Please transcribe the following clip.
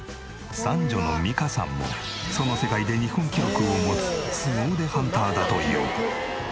三女の美香さんもその世界で日本記録を持つすご腕ハンターだという。